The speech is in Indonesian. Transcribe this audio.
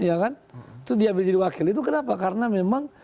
ya kan itu diambil jadi wakil itu kenapa karena memang